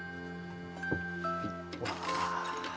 うわ。